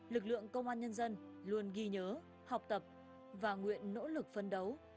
lực lượng công an nhân dân luôn ghi nhớ học tập và nguyện nỗ lực phấn đấu